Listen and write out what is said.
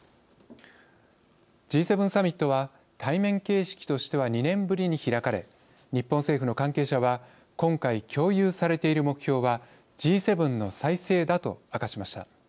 Ｇ７サミットは対面形式としては２年ぶりに開かれ日本政府の関係者は今回共有されている目標はＧ７の再生だと明かしました。